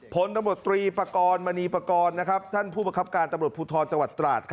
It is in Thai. ผลตำรวจตรีปากรมณีปากรท่านผู้ประคับการตำรวจภูทรจังหวัดตราด